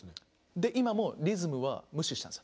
で今もリズムは無視したんです。